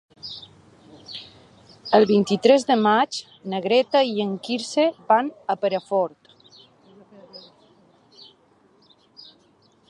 El vint-i-tres de maig na Greta i en Quirze van a Perafort.